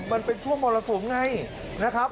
มันเป็นช่วงบัลลักษณ์สุ่มไงนะครับ